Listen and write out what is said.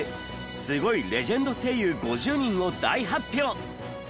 スゴいレジェンド声優５０人を大発表！